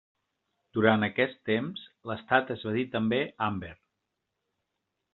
Durant aquest temps l'estat es va dir també Amber.